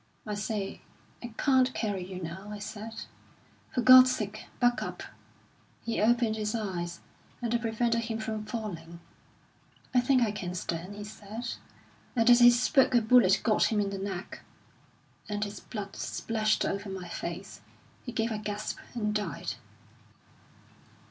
'I say, I can't carry you now,' I said; 'for God's sake, buck up.' He opened his eyes, and I prevented him from falling. 'I think I can stand,' he said, and as he spoke a bullet got him in the neck, and his blood splashed over my face. He gave a gasp and died."